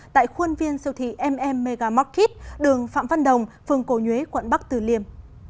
tại khuôn viên siêu thị mm megamarket đường phạm văn đồng phương cổ nhuế quận bắc từ liêm